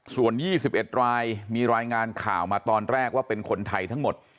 ส่วน๒๑รายมีรายงานข่าวมาตอนแรกว่าเป็นคนไทยทั้งหมด